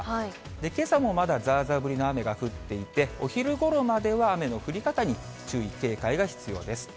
けさもまだざーざー降りの雨が降っていて、お昼ごろまでは雨の降り方に注意、警戒が必要です。